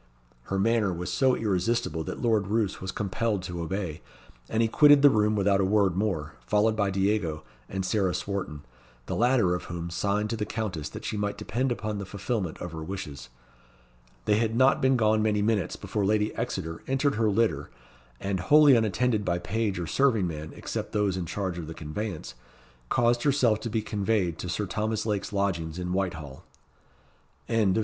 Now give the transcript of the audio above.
Her manner was so irresistible that Lord Roos was compelled to obey, and he quitted the room without a word more, followed by Diego and Sarah Swarton, the latter of whom signed to the Countess that she might depend upon the fulfilment of her wishes. They had not been gone many minutes before Lady Exeter entered her litter, and wholly unattended by page or serving man, except those in charge of the conveyance, caused herself to be conveyed to Sir Thomas Lake's lodgings in Whitehall. CHAPTER IV.